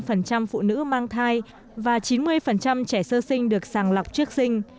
tám mươi năm phụ nữ mang thai và chín mươi trẻ sơ sinh được sàng lọc trước sinh